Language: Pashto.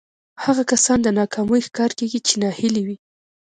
هغه کسان د ناکامۍ ښکار کېږي چې ناهيلي وي.